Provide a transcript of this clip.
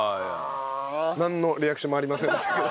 なんのリアクションもありませんでしたけど。